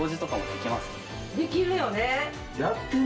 できるよね。